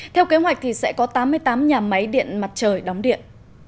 theo kế hoạch thì sẽ có tám mươi tám nhà máy điện mặt trời đóng điện